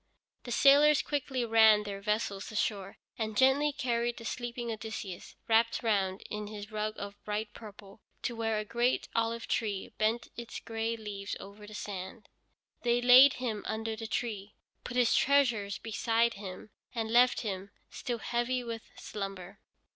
The sailors quickly ran their vessel ashore and gently carried the sleeping Odysseus, wrapped round in his rug of bright purple, to where a great olive tree bent its gray leaves over the sand. They laid him under the tree, put his treasures beside him, and left him, still heavy with slumber.